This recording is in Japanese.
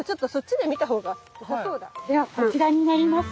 ではこちらになります。